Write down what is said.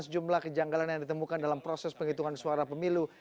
sejumlah kejanggalan yang ditemukan dalam proses penghitungan suara pemilu